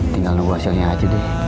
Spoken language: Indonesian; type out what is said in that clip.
tinggal nunggu hasilnya aja deh